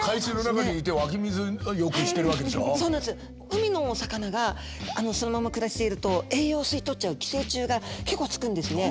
海のお魚がそのまま暮らしていると栄養を吸い取っちゃう寄生虫が結構つくんですね。